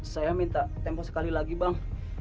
saya minta tempo sekali lagi bang